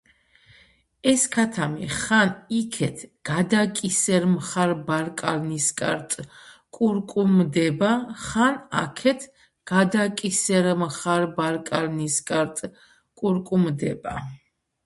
ეს ქათამი ხან იქეთ გადაკისერმხარბარკალნისკარტკურკუმდება ხან აქეთ გადაკისერმხარბარკალნისკარტკურკუმდება